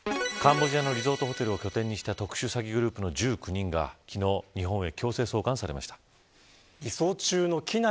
カンボジアのリゾートホテルを拠点にした特殊詐欺グループの１９人が昨日日本へ強制送還されました。